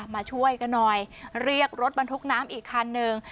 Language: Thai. มาช่วยกันหน่อยเรียกรถบรรทุกน้ำอีกคันหนึ่ง